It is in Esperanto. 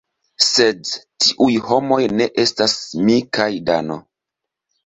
Sed tiuj homoj ne estas mi kaj Dano.